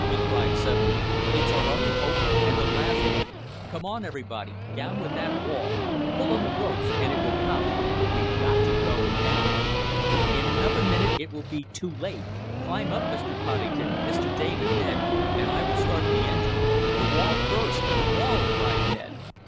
he cried suddenly. "It's our only hope, and the last one! Come on, everybody! Down with that wall! Pull on the ropes and it will come! We've got to go now. In another minute it will be too late. Climb up, Mr. Poddington, Mr. Damon, Ned, and I will start the machine." "The wall first! The wall!" cried Ned.